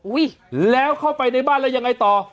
แล้วเข้าไปในบ้านแล้วยังไงต่อ